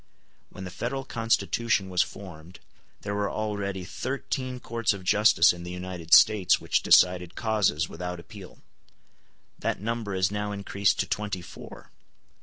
When the Federal Constitution was formed there were already thirteen courts of justice in the United States which decided causes without appeal. That number is now increased to twenty four.